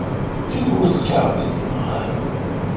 Anwa lkaɣeḍ i tebɣam?